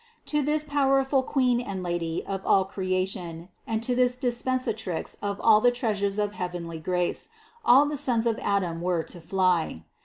To this powerful Queen and Lady of all creation and to this dispensatrix of all the treasures of heavenly grace, all the sons of Adam were to fly.